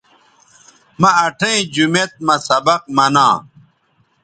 مہ اٹھئیں جومیت مہ سبق منا